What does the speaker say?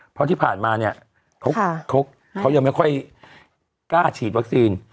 เพราะที่ผ่านมาเนี่ยเขายังไม่ค่อยกล้าฉีดวัคซีน